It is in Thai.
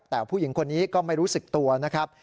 แต่ผู้หญิงคนนี้ก็ไม่รู้สึกตัวนะครับ